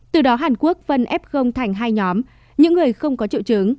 từ đó hàn quốc phân f thành hai nhóm những người không có triệu chứng